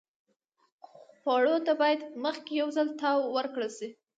خوړو ته باید مخکې یو ځل تاو ورکړل شي.